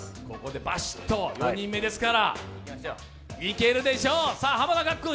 ここでバシッと、４人目ですから、いけるでしょう。